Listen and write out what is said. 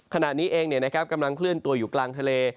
ขณะนี้เองกำลังเคลื่อนตัวอยู่กลางทะเล